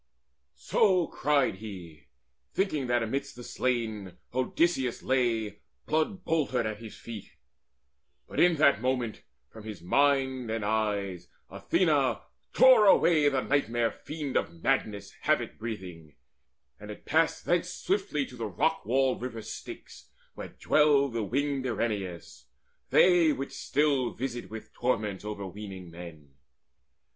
So cried he, thinking that amidst the slain Odysseus lay blood boltered at his feet. But in that moment from his mind and eyes Athena tore away the nightmare fiend Of Madness havoc breathing, and it passed Thence swiftly to the rock walled river Styx Where dwell the winged Erinnyes, they which still Visit with torments overweening men.